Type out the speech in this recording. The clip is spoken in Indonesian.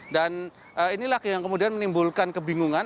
dan inilah yang kemudian menimbulkan kebingungan